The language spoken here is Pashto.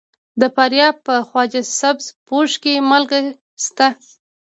د فاریاب په خواجه سبز پوش کې مالګه شته.